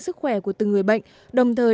sức khỏe của từng người bệnh đồng thời